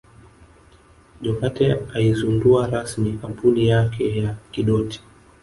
Jokate aizundua rasmi kampuni yake ya Kidoti